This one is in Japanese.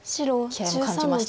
気合いも感じましたし